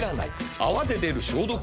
「泡で出る消毒液」は。